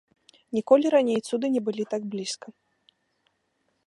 Ніколі раней цуды не былі так блізка.